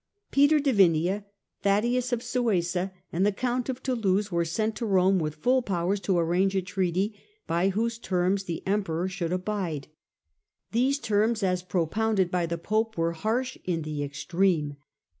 Peter de Vinea, Thaddaeus of Suessa and the Count of Toulouse, were sent to Rome with full powers to arrange a treaty, by whose terms the Emperor should abide. Those terms, as propounded by the Pope, were harsh in the extreme.